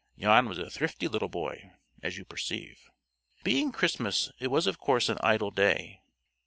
Jan was a thrifty little boy, as you perceive. Being Christmas, it was of course an idle day.